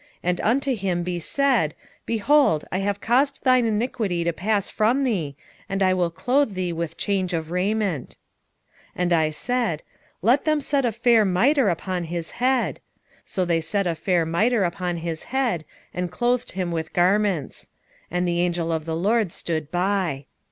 And unto him he said, Behold, I have caused thine iniquity to pass from thee, and I will clothe thee with change of raiment. 3:5 And I said, Let them set a fair mitre upon his head. So they set a fair mitre upon his head, and clothed him with garments. And the angel of the LORD stood by.